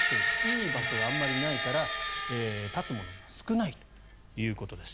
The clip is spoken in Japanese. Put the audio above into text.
いい場所があまりないから建つものが少ないということです。